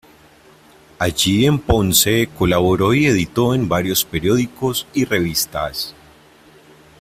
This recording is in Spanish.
Allí en Ponce colaboró y editó en varios periódicos y revistas.